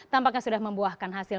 tampaknya sudah membuahkan hasil